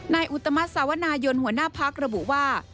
อุตมัติสาวนายนหัวหน้าพักระบุว่า